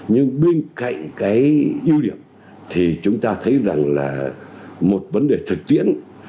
nhưng bên cạnh cái ưu điểm thì chúng ta thấy rằng là một vấn đề thực tiễn